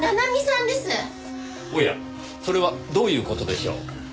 おやそれはどういう事でしょう？